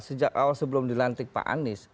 sejak awal sebelum dilantik pak anies